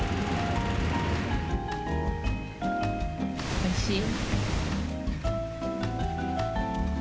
おいしい？